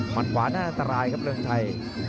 มันขวาน่าอันตรายครับเริงชัย